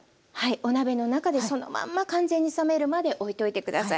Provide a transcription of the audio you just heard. お鍋の中でそのまんま完全に冷めるまでおいといて下さい。